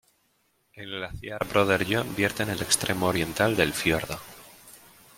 El glaciar Brother John vierte en el extremo oriental del fiordo.